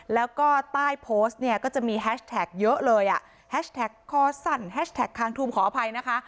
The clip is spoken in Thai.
แล้วก็ใต้โพสต์เนี่ยก็จะมีแฮชแท็กเยอะเลยอ่ะแฮชแท็กคอสั้นแฮชแท็กคางทูมขออภัยนะคะ